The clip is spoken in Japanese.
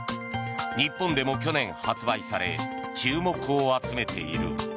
日本でも去年発売され注目を集めている。